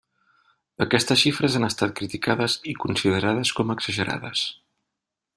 Aquestes xifres han estat criticades i considerades com exagerades.